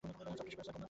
Soft tissue sarcoma.